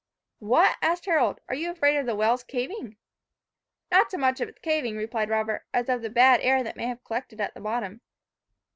"What," asked Harold, "are you afraid of the well's caving?" "Not so much of its caving," replied Robert, "as of the bad air that may have collected at the bottom."